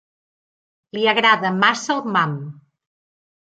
Li agrada massa el mam.